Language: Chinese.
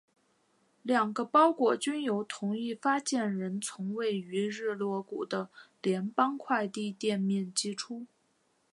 两个包裹均由同一发件人从位于日落谷的联邦快递店面寄出。